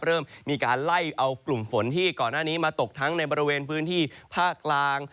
เริ่มมีการไล่เอากลุ่มฝนที่ก่อนหน้านี้มาตกทั้งในบริเวณพื้นที่ภาคกลาง